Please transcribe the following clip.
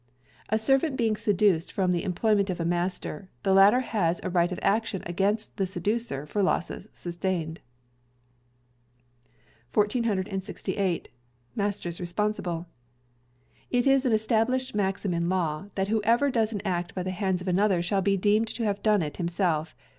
A Servant being Seduced from the Employment of a master, the latter has a right of action against the seducer for losses sustained. 1468. Masters Responsible. It is an Established Maxim in Law, that whoever does an act by the hands of another shall be deemed to have done it himself.